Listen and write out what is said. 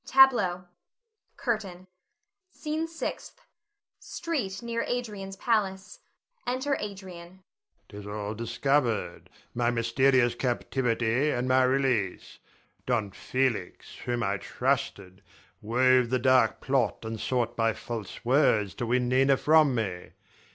[Tableaux. CURTAIN. SCENE SIXTH. [Street near Adrian's palace. Enter Adrian.] Adrian. 'Tis all discovered, my mysterious captivity and my release. Don Felix, whom I trusted, wove the dark plot and sought by false words to win Nina from me.